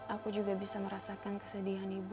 aku juga bisa merasakan kesedihan ibu